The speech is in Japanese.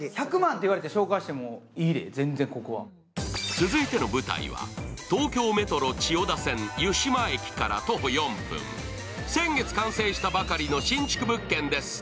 続いての舞台は東京メトロ千代田線湯島駅から徒歩４分、先月完成したばかりの新築物件です。